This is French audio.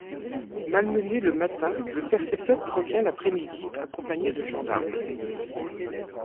Malmené le matin, le percepteur revient l'après-midi accompagné de gendarmes.